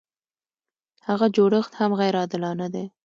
هغه جوړښت هم غیر عادلانه دی.